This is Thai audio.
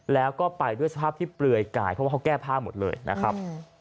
แล้วก็ไปด้วยสภาพที่เปลือยกายเพราะว่าเขาแก้ผ้าหมดเลยนะครับ